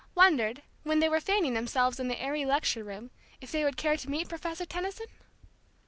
wondered, when they were fanning themselves in the airy lecture room, if they would care to meet Professor Tension?